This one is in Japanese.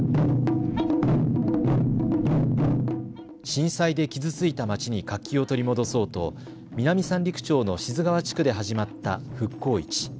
震災で傷ついた町に活気を取り戻そうと南三陸町の志津川地区で始まった福興市。